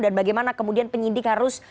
dan bagaimana kemudian penyidik harus